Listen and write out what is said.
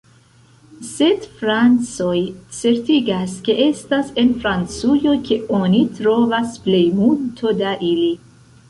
Sed... francoj certigas ke estas en Francujo ke oni trovas plej multo da ili.